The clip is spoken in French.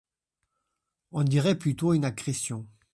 On dirait plutôt une accrétion.